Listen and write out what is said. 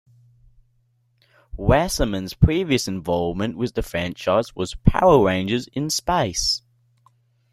Wasserman's previous involvement with the franchise was "Power Rangers in Space".